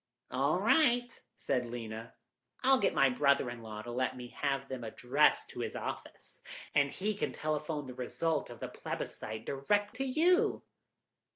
"All right," said Lena, "I'll get my brother in law to let me have them addressed to his office, and he can telephone the result of the plebiscite direct to you."